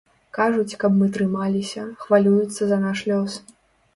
Кажуць, каб мы трымаліся, хвалююцца за наш лёс.